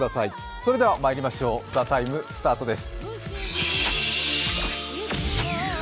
それではまいりましょう、「ＴＨＥＴＩＭＥ，」スタートです。